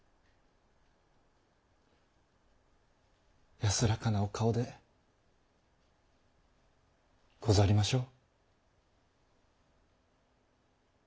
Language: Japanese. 安らかなお顔でござりましょう？